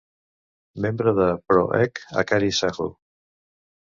Membre de Pro Egg Akari Saho.